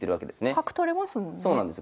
角取れますもんね。